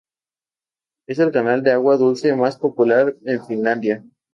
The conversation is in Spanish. Es el canal de agua dulce más popular en Finlandia.